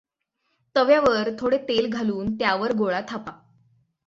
तव्यावर थोडे तेल घालून त्यावर गोळा थापा.